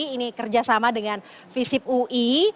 ini kerjasama dengan visip ui